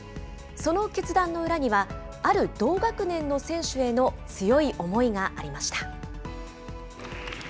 その決断の裏には、ある同学年の選手への強い思いがありました。